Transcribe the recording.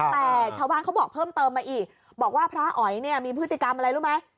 แต่ชาวบ้านเขาบอกเพิ่มเติมมาอีกบอกว่าพระอ๋อยเนี่ยมีพฤติกรรมอะไรรู้ไหม